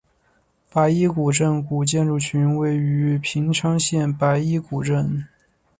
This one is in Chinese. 白衣古镇古建筑群位于平昌县白衣古镇。